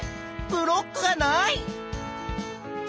ブロックがない！